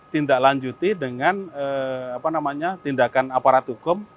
tindaklanjuti dengan apa namanya tindakan aparat hukum